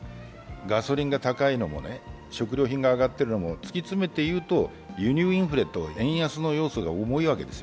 ガソリンが高いのも食料品が上がっているのも突き詰めて言うと輸入インフレ、円安の要素が重いわけです。